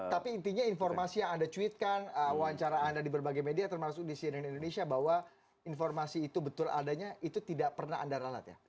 tapi intinya informasi yang anda cuitkan wawancara anda di berbagai media termasuk di cnn indonesia bahwa informasi itu betul adanya itu tidak pernah anda ralat ya